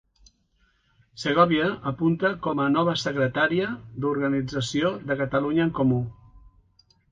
Segòvia apunta com a nova secretària d'organització de Catalunya en Comú